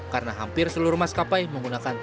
karena hampir seluruh mas kp menggunakan tan